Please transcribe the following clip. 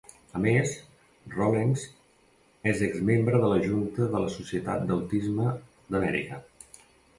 A més, Rollens és exmembre de la junta de la Societat d'Autisme d'Amèrica.